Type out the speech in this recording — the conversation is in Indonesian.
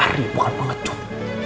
dia pasti bisa bertanggung jawab